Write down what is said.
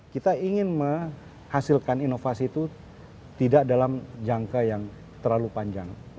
kita ingin menghasilkan inovasi itu tidak dalam jangka yang terlalu panjang